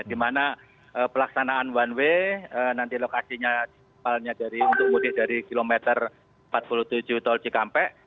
di mana pelaksanaan one way nanti lokasinya untuk mudik dari kilometer empat puluh tujuh tol cikampek